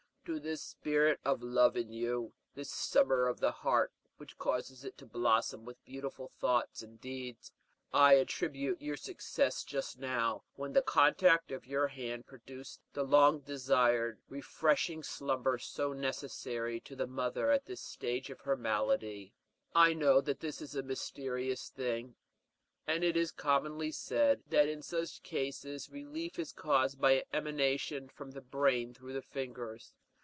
To this spirit of love in you this summer of the heart which causes it to blossom with beautiful thoughts and deeds I attribute your success just now, when the contact of your hand produced the long desired, refreshing slumber so necessary to the mother at this stage of her malady. I know that this is a mysterious thing; and it is commonly said that in such cases relief is caused by an emanation from the brain through the fingers.